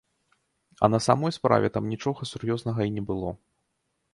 А на самой справе там нічога сур'ёзнага і не было.